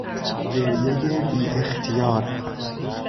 گریهی بیاختیار